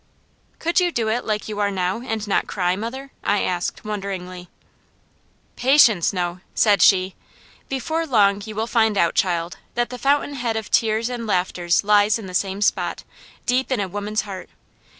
"Could you do it, like you are now, and not cry, mother?" I asked wonderingly. "Patience no!" said she. "Before long you will find out, child, that the fountain head of tears and laughter lies in the same spot, deep in a woman's heart.